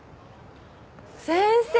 先生！